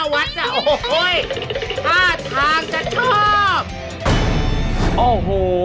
ห้าทางจะชอบ